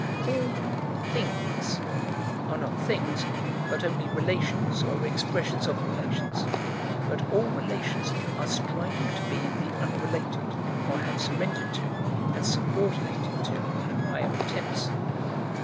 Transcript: All "things" are not things, but only relations, or expressions of relations: but all relations are striving to be the unrelated, or have surrendered to, and subordinated to, higher attempts.